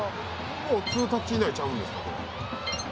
もう２タッチ以内ちゃうんですかこれ。